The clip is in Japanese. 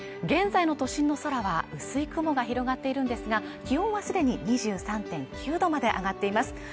現在の都心の空は薄い雲が広がっているんですが気温はすでに２３．９度まで上がっています